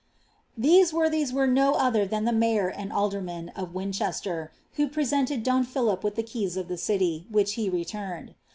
These worthies were no other than the mayor and aldermen of Wia chester, who presented don Philip with the keys of the city, which he returned.